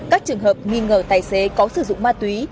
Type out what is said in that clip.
các trường hợp nghi ngờ tài xế có sử dụng ma túy